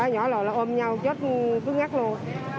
ba nhỏ là ôm nhau chết tức ngắt luôn